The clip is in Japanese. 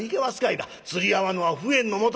釣り合わんのは不縁のもと。